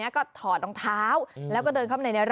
นี่คุณไปสร้างแลนด์มาร์คเหรอ